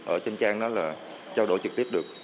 ở trên trang đó là trao đổi trực tiếp được